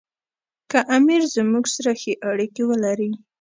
که امیر زموږ سره ښې اړیکې ولري.